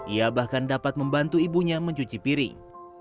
ia bahkan dapat membantu ibunya mencuci piring